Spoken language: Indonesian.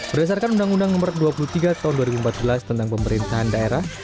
berdasarkan undang undang no dua puluh tiga tahun dua ribu empat belas tentang pemerintahan daerah